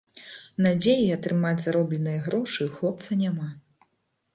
Надзеі атрымаць заробленыя грошы ў хлопца няма.